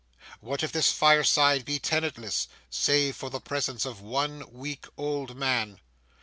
What if this fireside be tenantless, save for the presence of one weak old man?